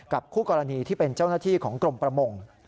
คู่กรณีที่เป็นเจ้าหน้าที่ของกรมประมง